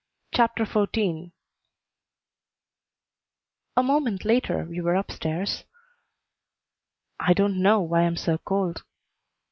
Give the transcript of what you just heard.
CHAPTER XIV A moment later we were up stairs. "I don't know why I am so cold."